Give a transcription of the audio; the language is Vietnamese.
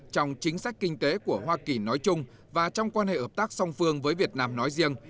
trong chính sách kinh tế của hoa kỳ nói chung và trong quan hệ hợp tác song phương với việt nam nói riêng